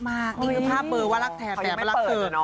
นี่คือภาพเบอร์ว่ารักแทนแต่ไม่รักเกิด